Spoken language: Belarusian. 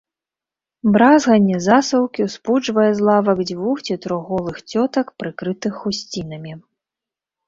Бразганне засаўкі ўспуджвае з лавак дзвюх ці трох голых цётак, прыкрытых хусцінамі.